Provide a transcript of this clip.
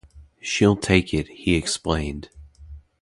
She'll take it, he explained.